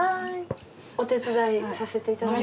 お手伝いもさせていただいて。